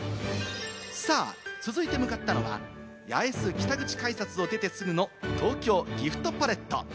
続いて向かったのは、八重洲北口改札を出てすぐの東京ギフトパレット。